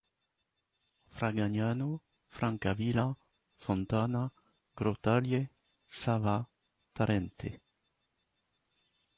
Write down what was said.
Fragagnano, Francavilla Fontana, Grottaglie, Sava, Tarente.